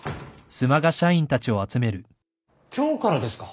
今日からですか？